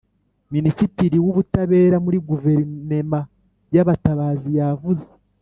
Minisitirii w Ubutabera muri Guverinema y Abatabazi yavuze